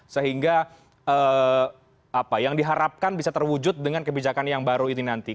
sehingga apa yang diharapkan bisa terwujud dengan kebijakan yang baru ini nanti